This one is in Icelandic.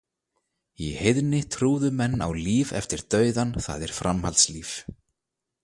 Í heiðni trúðu menn á líf eftir dauðan það er framhaldslíf.